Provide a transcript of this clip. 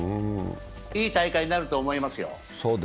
いい大会になると思いますよ。